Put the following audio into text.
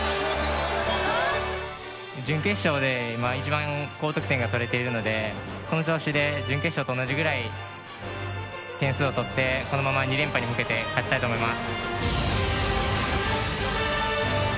準決勝でまあ一番高得点が取れているのでこの調子で準決勝と同じぐらい点数を取ってこのまま２連覇に向けて勝ちたいと思います。